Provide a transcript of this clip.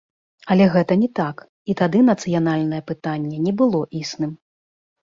Але гэта не так, і тады нацыянальнае пытанне не было існым.